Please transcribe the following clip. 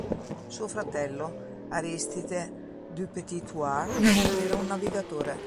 Suo fratello, Aristide Du Petit-Thouars, era un navigatore.